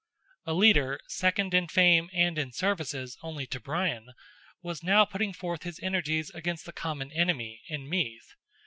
A leader, second in fame and in services only to Brian, was now putting forth his energies against the common enemy, in Meath.